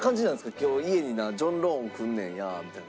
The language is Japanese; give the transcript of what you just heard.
「今日家になジョン・ローン来んねんや」みたいな？